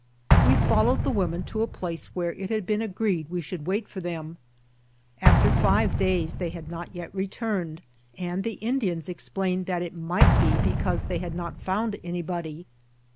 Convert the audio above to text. We followed the women to a place where it had been agreed we should wait for them. After five days they had not yet returned, and the Indians explained that it might be 146 ALVAR NUNEZ CABEZA DE VACA because they had not found anybody.